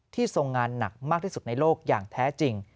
ทรงงานหนักมากที่สุดในโลกอย่างแท้จริง